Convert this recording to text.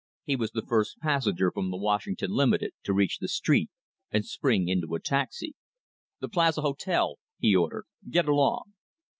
He was the first passenger from the Washington Limited to reach the street and spring into a taxi. "The Plaza Hotel," he ordered. "Get along."